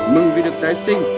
mừng vì được tái sinh